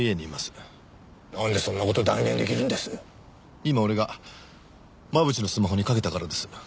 今俺が真渕のスマホにかけたからです。